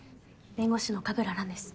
弁護士の神楽蘭です。